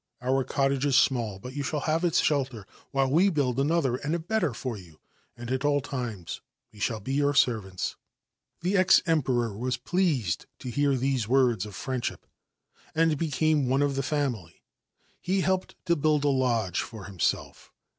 Our cottage small ; but you shall have its shelter while we build lother and a better for you, and at all times we shall j your servants/ The ex Emperor was pleased to hear these words of iendship, and became one of the family. He helped > build a lodge for himself.